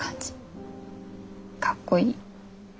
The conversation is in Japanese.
かっこいい。